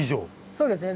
そうですね。